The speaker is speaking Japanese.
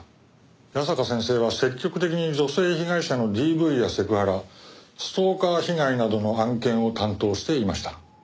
矢坂先生は積極的に女性被害者のＤＶやセクハラストーカー被害などの案件を担当していました。